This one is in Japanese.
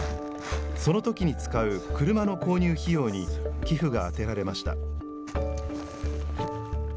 そのときに使う車の購入費用に寄付が充てられました。